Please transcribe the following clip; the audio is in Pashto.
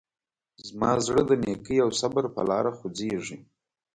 زما زړه د نیکۍ او صبر په لاره خوځېږي.